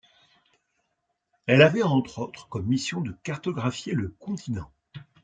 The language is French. Elle avait entre autres comme mission de cartographier le continent.